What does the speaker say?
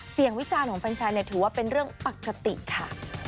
เสี่ยงวิจารณ์ของแฟนไชน์เน็ตถือว่าเป็นเรื่องปกติค่ะ